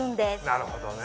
なるほどね。